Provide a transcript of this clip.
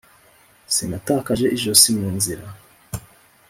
sinatakaje ijosi mu nzira.